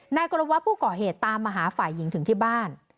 กรวัตรผู้ก่อเหตุตามมาหาฝ่ายหญิงถึงที่บ้าน